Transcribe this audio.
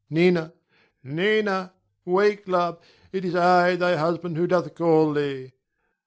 Nina! Nina! wake, love, it is I thy husband who doth call thee.